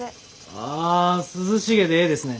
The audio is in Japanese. ああ涼しげでええですね。